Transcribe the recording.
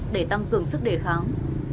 để tăng cường sức đề kháng